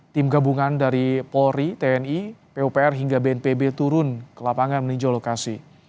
tim gabungan dari polri tni pupr hingga bnpb turun ke lapangan meninjau lokasi